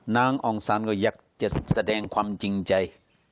อองซันก็อยากจะแสดงความจริงใจ